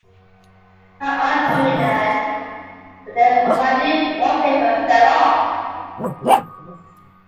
My aunt told me that, but then all my new wallpaper fell off.